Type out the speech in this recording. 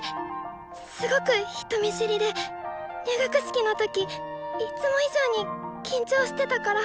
すごく人見知りで入学式の時いっつも以上に緊張してたから。